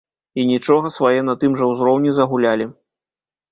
І нічога, свае на тым жа ўзроўні загулялі.